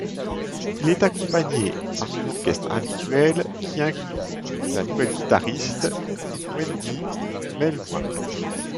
Il est accompagné par son orchestre habituel, qui inclut la nouvelle guitariste Wendy Melvoin.